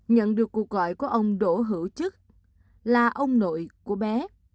nhận được cuộc gọi của ông đỗ hữu chức là ông nội của bé